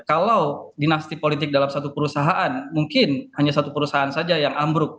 kalau dinasti politik dalam satu perusahaan mungkin hanya satu perusahaan saja yang ambruk